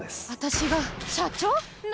私が社長？